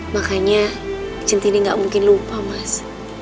makanya centini gak mungkin lupa mas